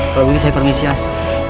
kalau gitu saya permisi mas